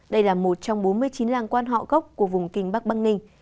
đây là một trong bốn mươi chín làng quan họ gốc của vùng kinh bắc băng ninh